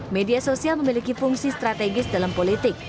media sosial memiliki fungsi strategis dalam politik